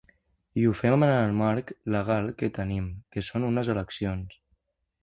I ho fem en el marc legal que tenim, que són unes eleccions.